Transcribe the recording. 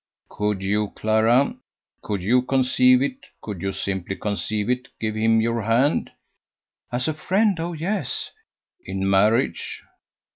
"Could you, Clara, could you conceive it, could you simply conceive it give him your hand?" "As a friend. Oh, yes." "In marriage."